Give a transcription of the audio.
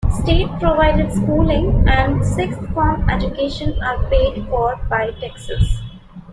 State-provided schooling and sixth-form education are paid for by taxes.